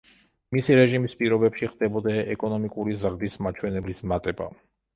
მისი რეჟიმის პირობებში ხდებოდა ეკონომიკური ზრდის მაჩვენებლის მატება.